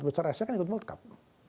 empat besar asean kan ikut world cup